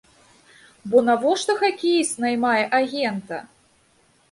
Бо навошта хакеіст наймае агента?